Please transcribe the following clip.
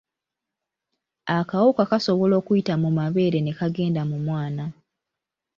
Akawuka kasoboka okuyita mu mabeere ne kagenda mu mwana.